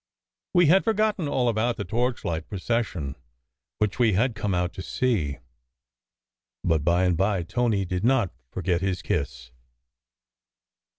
We had forgotten all about the torchlight procession which we had come out to see. But by and by Tony did not forget his kiss.